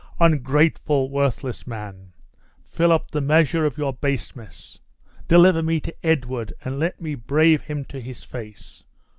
Ungrateful, worthless man! fill up the measure of your baseness; deliver me to Edward, and let me brave him to his face.